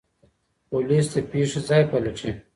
پوليس د پېښې ځای پلټي.